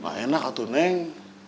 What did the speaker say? enggak enak lah tuh neng